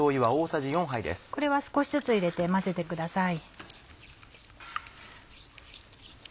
これは少しずつ入れて混ぜてください。